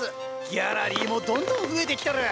ギャラリーもどんどん増えてきとる！